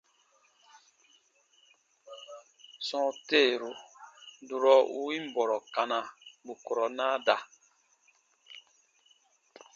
Sɔ̃ɔ teeru, durɔ u win bɔrɔ kana, bù kurɔ naa da.